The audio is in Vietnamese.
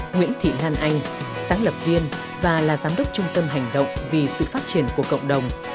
nguyễn thị lan anh sáng lập viên và là giám đốc trung tâm hành động vì sự phát triển của cộng đồng